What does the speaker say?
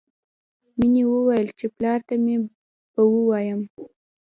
مینې وویل چې پلار ته به ووایم